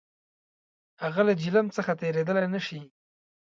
هغه له جیهلم څخه تېرېدلای نه شوای.